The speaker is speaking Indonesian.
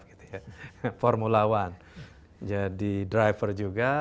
gitu ya formula one jadi driver juga